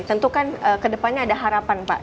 tentu kan kedepannya ada harapan pak